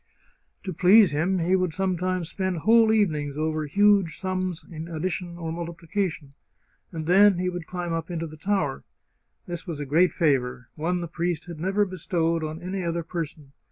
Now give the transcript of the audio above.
To please him he would sometimes spend whole evenings over huge sums in addition or multiplication. And then he would climb up into the tower. This was a great favour — one the priest had never bestowed on any other person.